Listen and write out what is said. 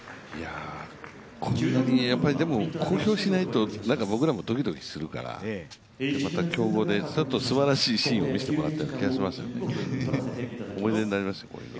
こんなに、でも、公表しないと、僕らもドキドキするから、また競合で、すばらしいシーンを見せてもらった気がしますよね、思い出になりますよ。